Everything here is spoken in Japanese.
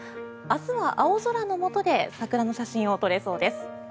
明日は青空のもとで桜の写真を撮れそうです。